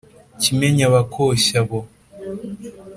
kimenyi abakoshya abo